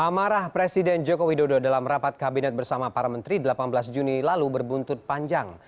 amarah presiden joko widodo dalam rapat kabinet bersama para menteri delapan belas juni lalu berbuntut panjang